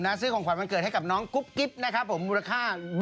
แต่อาจจะทำก่อนก่อนกรรมกลิ๊บ